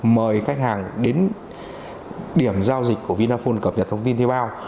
mời khách hàng đến điểm giao dịch của vinaphone cập nhật thông tin thuê bao